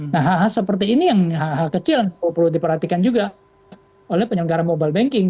nah seperti ini yang kecil perlu diperhatikan juga oleh penyelenggara mobile banking